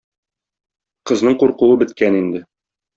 Кызның куркуы беткән инде.